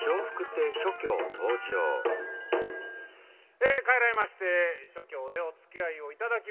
え代わり合いまして松喬でおつきあいを頂きます。